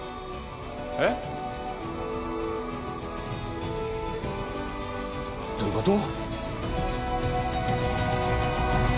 えっ？どういうこと？